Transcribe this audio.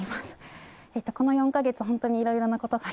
この４カ月本当にいろいろなことがありました。